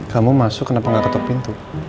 kamu masuk kenapa nggak ketuk pintu